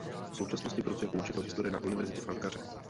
V současnosti pracuje jako učitel historie na univerzitě v Ankaře.